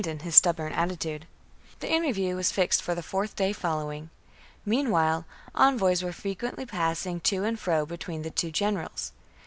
I HELVETII AND ARIOVISTUS 39 The interview was fixed for the fourth day follow 58 b.c. ing. Meanwhile envoys were frequently passing to and fro between the two generals.